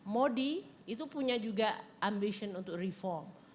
modi itu punya juga ambision untuk reform